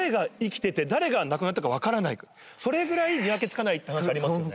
それぐらい見分けつかないって話ありますよね。